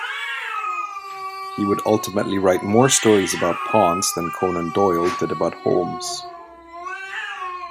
He would ultimately write more stories about Pons than Conan Doyle did about Holmes.